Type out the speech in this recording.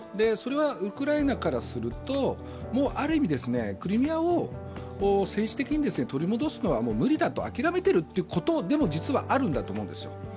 それはウクライナからするとある意味、クリミアを政治的に取り戻すのは無理だと、諦めているということでも実はあるんだと思うんですよ。